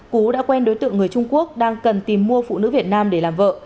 cú đã quen đối tượng người trung quốc đang cần tìm mua phụ nữ việt nam để làm vợ